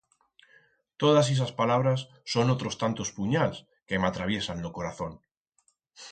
Todas ixas palabras son otros tantos punyals que m'atraviesan lo corazón